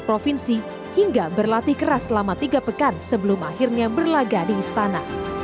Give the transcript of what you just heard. provinsi hingga berlatih keras selama tiga pekan sebelum akhirnya berlaga di istana